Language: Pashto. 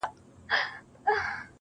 زه به لار د ښار له خلکو کړمه ورکه!!